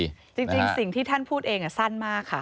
จริงสิ่งที่ท่านพูดเองสั้นมากค่ะ